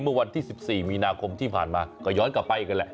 เมื่อวันที่๑๔มีนาคมที่ผ่านมาก็ย้อนกลับไปกันแหละ